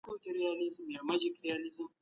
حتی په خوشحالۍ کي زیاتروی مه کوئ.